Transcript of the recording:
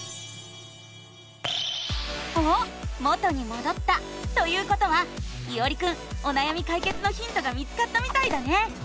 おっ元にもどったということはいおりくんおなやみかいけつのヒントが見つかったみたいだね！